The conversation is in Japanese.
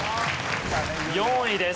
４位です。